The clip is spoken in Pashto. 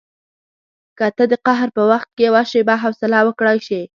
که ته د قهر په وخت کې یوه شېبه حوصله وکړای شې.